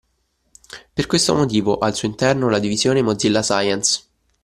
Per questo motivo ha al suo interno la divisione Mozilla Science.